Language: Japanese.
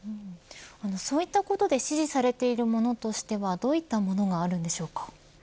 そういったことで支持されているものとしてはどういったものがあるんでしょうか。